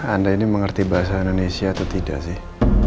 anda ini mengerti bahasa indonesia atau tidak sih